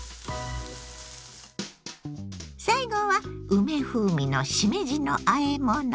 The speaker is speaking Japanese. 最後は梅風味のしめじのあえもの。